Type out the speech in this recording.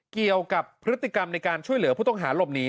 เกี่ยวกับพฤติกรรมในการช่วยเหลือผู้ต้องหาหลบหนี